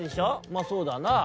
「まあそうだなあ。」